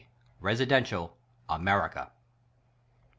Residential— America.